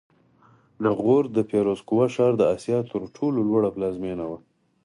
د غور د فیروزکوه ښار د اسیا تر ټولو لوړ پلازمېنه وه